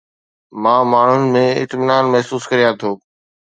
مان ماڻهن ۾ اطمينان محسوس ڪريان ٿو